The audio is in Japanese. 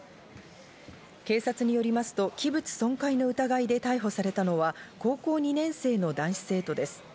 警察によりますと器物損壊の疑いで逮捕されたのは高校２年生の男子生徒です。